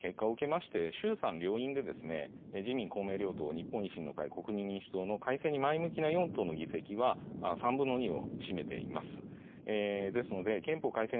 選挙の結果を受けまして衆参両院で自民公明両党日本維新の会、国民民主党の改正に前向きな４党の議席は３分の２を占めています。